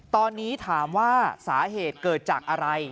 ตอนนี้ถามว่าสาเหตุเกิดจากอะไร